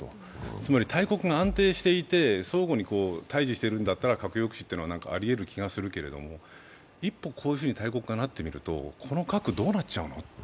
つまり、大国が安定していて、相互に対峙しているんだったら核抑止というのはありえる気はするけれども、一歩、こういうふうに大国がなってみると、この核、どうなっちゃうの。